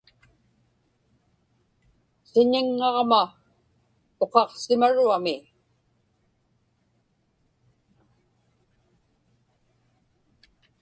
Siñiŋŋaġma uqaqsimaruami.